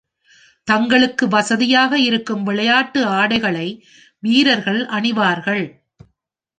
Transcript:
தங்களுக்கு வசதியாக இருக்கும் விளையாட்டு ஆடைகளை வீரர்கள் அணிவார்கள்.